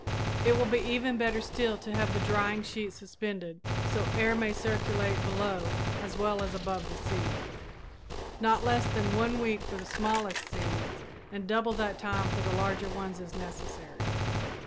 It will be even better still to have the drying sheet suspended so air may circulate below as well as above the seed. Not less than a week for the smallest seeds and double that time for the larger ones is necessary.